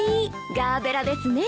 ガーベラですね。